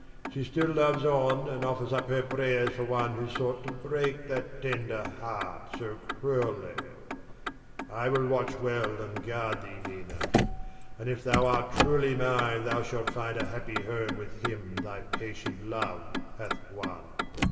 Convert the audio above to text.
She still loves on, and offers up her prayers for one who sought to break that tender heart so cruelly. I will watch well and guard thee, Nina; and if thou art truly mine thou shalt find a happy home with him thy patient love hath won.